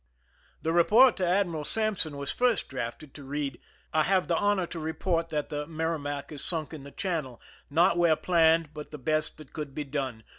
The report to Admiral Sampson was first drafted to read :" I have the honor to report that the Mer rimac is sunk in the channel— not where planned, but the best that could be done.